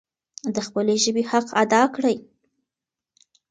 د خپلې ژبي حق ادا کړئ.